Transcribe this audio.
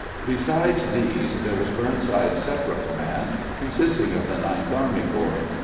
Besides these, there was Burnside's separate command, consist ing of the Ninth Army Corps.